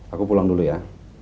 aku pulang dulu ya